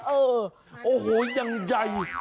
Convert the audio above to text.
เออโอ้โหยังใหญ่